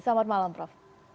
selamat malam prof